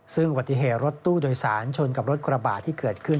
ซึ่งอุบัติเหตุรถตู้โดยสารชนกับรถกระบาดที่เกิดขึ้น